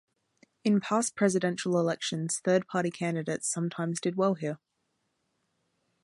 In past Presidential elections third party candidates sometimes did well here.